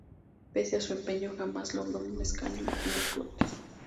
Pese a su empeño, jamás logró un escaño en las Cortes.